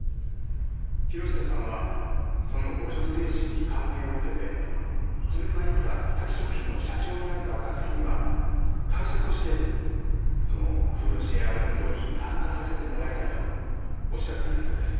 博久さんはその互助精神に感銘を受けて自分がいつかタキ食品の社長になった暁には会社としてそのフードシェア運動に参加させてもらいたいとおっしゃっていたそうです。